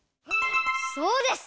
そうです。